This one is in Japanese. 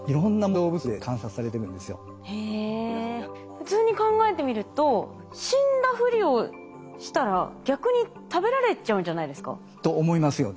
普通に考えてみると死んだふりをしたら逆に食べられちゃうんじゃないですか？と思いますよね。